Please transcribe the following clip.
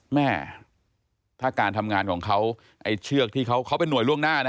แม่ถ้าการทำงานของเขาไอ้เชือกที่เขาเป็นห่วยล่วงหน้านะ